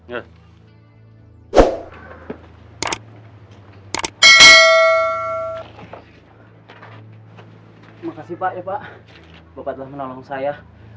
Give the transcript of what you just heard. terima kasih pak ya pak bapak telah menolong saya